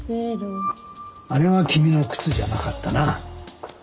あれは君の靴じゃなかったな。